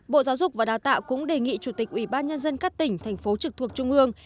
bộ giáo dục và đào tạo cũng đề nghị chủ tịch ủy ban nhân dân các tỉnh thành phố trực thuộc trung ương